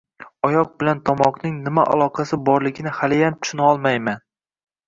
Oyoq bilan tomoqning nima aloqasi borligini haliyam tushunolmayman.